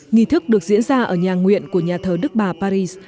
nghi thức được diễn ra ở nhà nguyện của nhà thờ đức bà paris